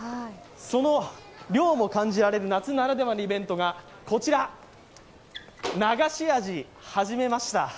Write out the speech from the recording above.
その涼も感じられる夏ならではのイベントがこちら流しアジはじめました。